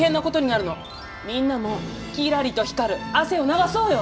みんなもきらりと光る汗を流そうよ！